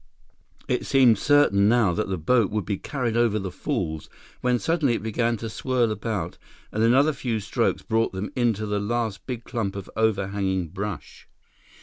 It seemed certain now that the boat would be carried over the falls, when suddenly it began to swirl about, and another few strokes brought them into the last big clump of overhanging brush.